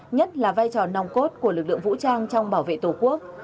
nhất là vai trò nòng cốt của lực lượng vũ trang trong bảo vệ tổ quốc